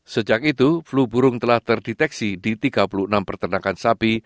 sejak itu flu burung telah terdeteksi di tiga puluh enam pertanakan sapi